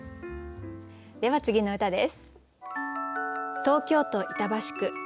では次の歌です。